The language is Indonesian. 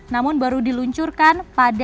namun baru diluncurkan pada dua ribu dua belas